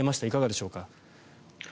いかがでしょうか。